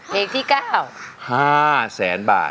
เพลงที่๙๕แสนบาท